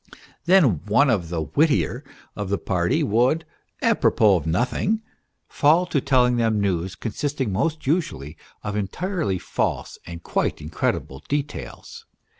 Then one of the wittier of the party would, a propos of nothing, fall to telling them news consisting most usually of entirely false and quite incredible details.